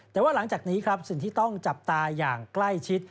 แต่ว่าหลังจากนี้ครับสิ่งที่ต้องจับตาอย่างใกล้ชิด